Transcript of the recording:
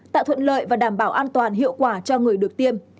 tạo thuận lợi và đảm bảo an toàn hiệu quả cho người được tiêm